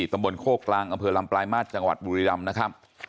ตำบลโคกกลางอำเภอลำปลายมาตรจังหวัดบุรีรำนะครับ